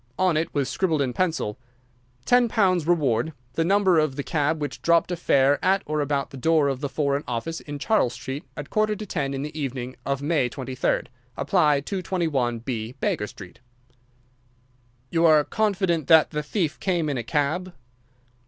On it was scribbled in pencil: "£10 Reward.—The number of the cab which dropped a fare at or about the door of the Foreign Office in Charles Street at quarter to ten in the evening of May 23rd. Apply 221B, Baker Street." "You are confident that the thief came in a cab?"